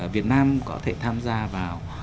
việt nam có thể tham gia vào